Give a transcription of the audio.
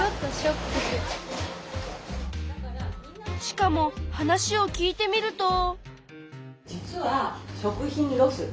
しかも話を聞いてみると。